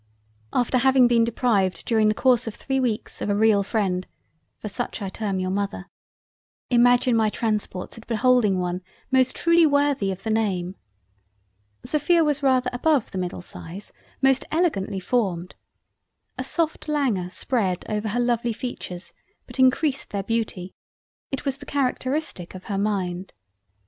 After having been deprived during the course of 3 weeks of a real freind (for such I term your Mother) imagine my transports at beholding one, most truly worthy of the Name. Sophia was rather above the middle size; most elegantly formed. A soft languor spread over her lovely features, but increased their Beauty—. It was the Charectarestic of her Mind—.